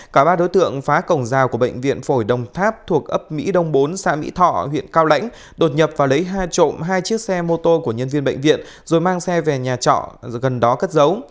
cả ba đối tượng phá cổng rào của bệnh viện phổi đồng tháp thuộc ấp mỹ đông bốn xã mỹ thọ huyện cao lãnh đột nhập và lấy hai trộm hai chiếc xe mô tô của nhân viên bệnh viện rồi mang xe về nhà trọ gần đó cất dấu